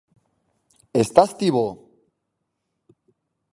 Estás ti bo: